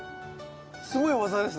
⁉すごい技ですね。